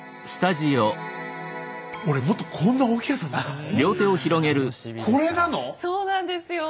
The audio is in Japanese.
そうなんですよ！